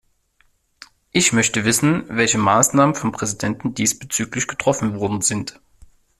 Ich möchte wissen, welche Maßnahmen vom Präsidenten diesbezüglich getroffen worden sind.